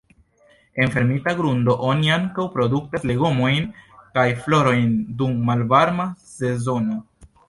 En fermita grundo oni ankaŭ produktas legomojn kaj florojn dum malvarma sezono.